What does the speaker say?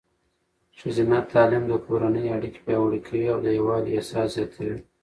ښځینه تعلیم د کورنۍ اړیکې پیاوړې کوي او د یووالي احساس زیاتوي.